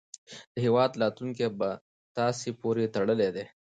د هیواد راتلونکی په تاسې پورې تړلی دی.